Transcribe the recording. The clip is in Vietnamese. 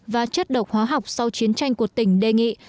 và chất độc hóa học sau chiến tranh của tỉnh đề nghị